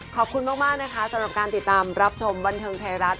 ขอบคุณมากนะคะสำหรับการติดตามรับชมบันเทิงไทยรัฐ